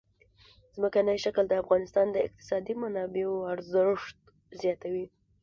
ځمکنی شکل د افغانستان د اقتصادي منابعو ارزښت زیاتوي.